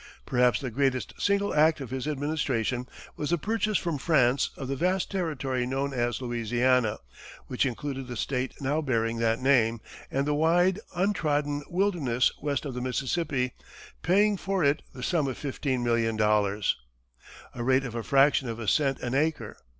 Perhaps the greatest single act of his administration was the purchase from France of the vast territory known as Louisiana, which included the state now bearing that name, and the wide, untrodden, wilderness west of the Mississippi, paying for it the sum of fifteen million dollars a rate of a fraction of a cent an acre.